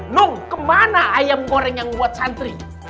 nong kemana ayam goreng yang buat santri